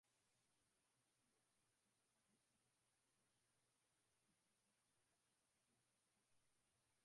mkutano huo una umuhimu gani mkutano huu ni mkutano muhimu sana